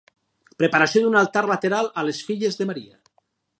Preparació d'un altar lateral a les filles de Maria.